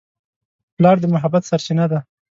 پلار د محبت سرچینه ده.